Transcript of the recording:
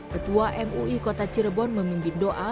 ketua mui kota cirebon memimpin doa